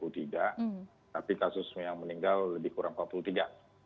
tapi kasus yang meninggal lebih kurang empat puluh tiga